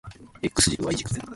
X 軸 Y 軸